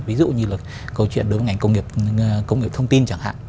ví dụ như là câu chuyện đối với ngành công nghiệp thông tin chẳng hạn